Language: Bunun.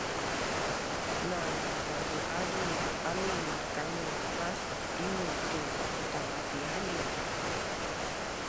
na ladu-azun amin kamu mas imuu tu Tamadihanin